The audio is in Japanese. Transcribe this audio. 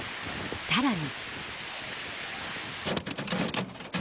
さらに。